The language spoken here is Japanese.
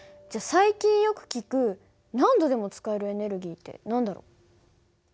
じゃあ最近よく聞く何度でも使えるエネルギーって何だろう？